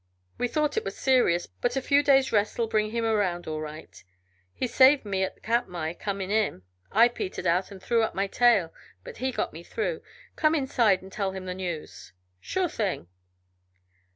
We thought it was serious, but a few days' rest'll bring him around all right. He saved me at Katmai, coming in. I petered out and threw up my tail, but he got me through. Come inside and tell him the news." "Sure thing."